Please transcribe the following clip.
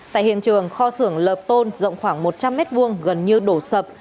tại hiện trường kho xưởng lợp tôn rộng khoảng một trăm linh m hai gần như đổ sập